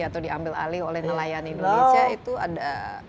atau diambil alih oleh nelayan indonesia itu ada